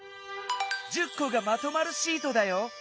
「１０こがまとまるシート」だよ。